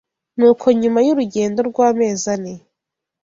Nuko nyuma y’urugendo rw’amezi ane